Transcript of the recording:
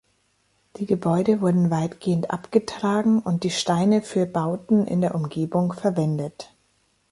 Die Gebäude wurden weitgehend abgetragen und die Steine für Bauten in der Umgebung verwendet.